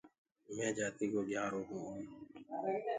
مينٚ جآتيٚڪو گهيٚآرو هونٚ اور